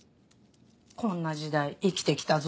「こんな時代生きてきたぞ」